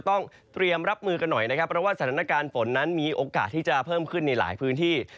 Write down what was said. ต้องเตรียมรับมือกันหน่อยนะครับเพราะว่าสถานการณ์ฝนนั้นมีโอกาสที่จะเพิ่มขึ้นในหลายพื้นที่